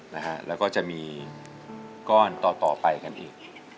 นะคะแล้วก็จะมีก้อนต่อไปกันอีก